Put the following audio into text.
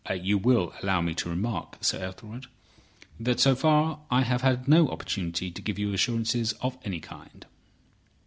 "You will allow me to remark, Sir Ethelred, that so far I have had no opportunity to give you assurances of any kind."